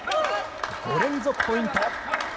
５連続ポイント。